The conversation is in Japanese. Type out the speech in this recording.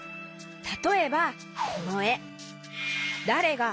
たとえばこのえ「だれが」